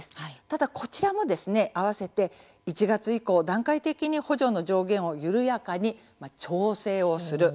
ただ、こちらも合わせて１月以降段階的に補助の上限を緩やかに調整をする。